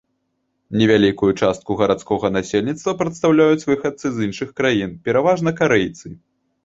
Невялікую частку гарадскога насельніцтва прадстаўляюць выхадцы з іншых краін, пераважна карэйцы.